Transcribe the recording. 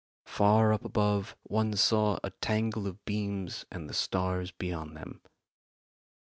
Far up above one saw a tangle of beams and the stars beyond them.